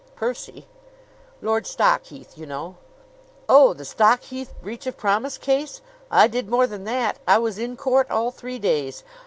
"Percy?" "Lord Stockheath, you know." "Oh, the Stockheath breach of promise case? I did more than that. I was in court all three days."